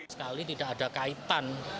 sekali tidak ada kaitan